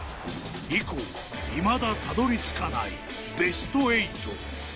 いまだたどり着かないベスト８。